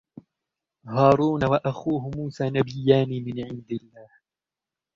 هارون و أخوه موسى نبيان من عند الله.